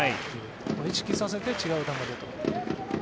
意識させて違う球で取る。